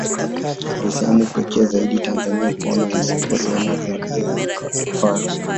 Ndio sehemu pekee zaidi Tanzania kuwaona wanyamapori aina ya faru